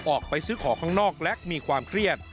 ออกไปซื้อของข้างนอกและมีความเครียด